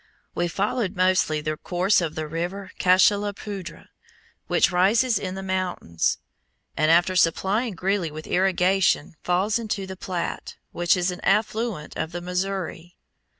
We followed mostly the course of the River Cache a la Poudre, which rises in the Mountains, and after supplying Greeley with irrigation, falls into the Platte, which is an affluent of the Missouri.